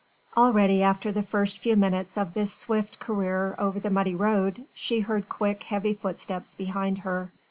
Already after the first few minutes of this swift career over the muddy road, she heard quick, heavy footsteps behind her.